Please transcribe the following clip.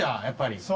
やっぱり。